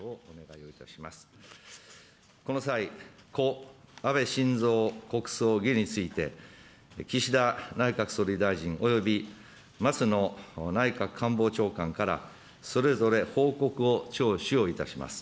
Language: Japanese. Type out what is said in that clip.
この際、故・安倍晋三国葬儀について、岸田内閣総理大臣及び、松野内閣官房長官から、それぞれ報告を聴取をいたします。